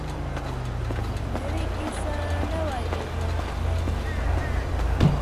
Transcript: نوې کیسه نوې عبرت لري